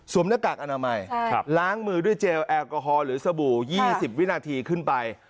หน้ากากอนามัยล้างมือด้วยเจลแอลกอฮอล์หรือสบู่๒๐วินาทีขึ้นไป